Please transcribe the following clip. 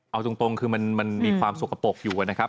เอาตรงคือมันมีความสกปรกอยู่นะครับ